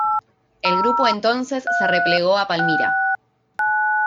El grupo entonces se replegó a Palmira.